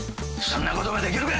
そんなことができるか！